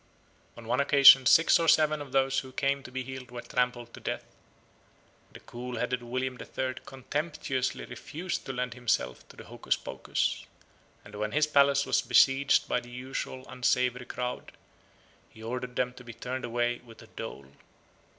On one occasion six or seven of those who came to be healed were trampled to death. The cool headed William the Third contemptuously refused to lend himself to the hocuspocus; and when his palace was besieged by the usual unsavoury crowd, he ordered them to be turned away with a dole.